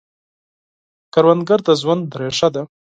کروندګر د ژوند ریښه ده